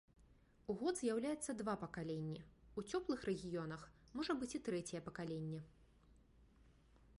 У год з'яўляецца два пакаленні, у цёплых рэгіёнах можа быць і трэцяе пакаленне.